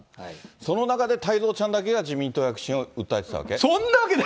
その中で太蔵ちゃんだけが自民党躍進を訴えたわけ？